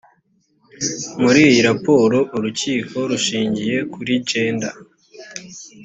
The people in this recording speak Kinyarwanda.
muri iyi raporo urukiko rushingiye kuri gender